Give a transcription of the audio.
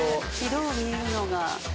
色を見るのが。